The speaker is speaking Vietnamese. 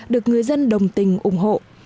được người dân đồng tình ủng hộ